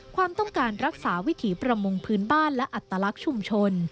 ความต้องการรักษาวิถีประมงพื้นบ้านและอัตลักษณ์ชุมชน